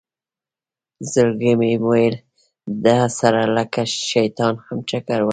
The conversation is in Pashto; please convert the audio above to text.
زړه کې مې ویل ده سره لکه چې شیطان هم چکر ووهي.